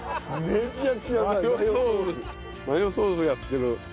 マヨソースやってる。